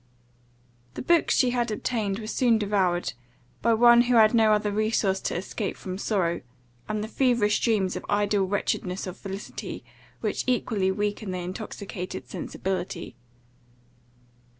The books she had obtained, were soon devoured, by one who had no other resource to escape from sorrow, and the feverish dreams of ideal wretchedness or felicity, which equally weaken the intoxicated sensibility.